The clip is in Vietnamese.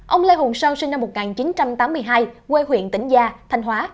ông lê hồng sơn sinh năm một nghìn chín trăm tám mươi hai quê huyện tỉnh gia thanh hóa